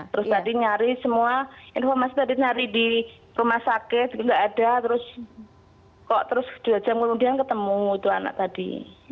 terus tadi nyari semua informasi tadi nyari di rumah sakit nggak ada terus kok terus dua jam kemudian ketemu itu anak tadi